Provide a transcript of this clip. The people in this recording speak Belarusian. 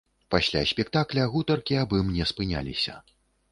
Пасля спектакля гутаркі аб ім не спыняліся.